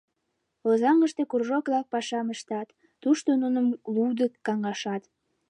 Озаҥыште кружок-влак пашам ыштат, тушто нуным лудыт, каҥашат.